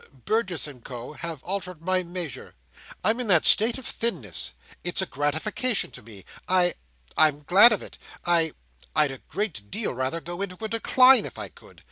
Burgess and Co. have altered my measure, I'm in that state of thinness. It's a gratification to me. I—I'm glad of it. I—I'd a great deal rather go into a decline, if I could.